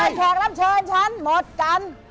หมดกันแล้วฉากรับเชิญฉันหมดกัน